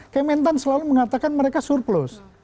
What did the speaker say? kementan selalu mengatakan mereka surplus